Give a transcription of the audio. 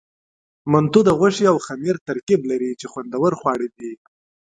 منتو د غوښې او خمیر ترکیب لري، چې خوندور خواړه دي.